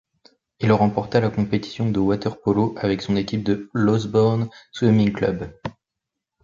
Il remporta la compétition de water-polo avec son équipe de l'Osborne Swimming Club.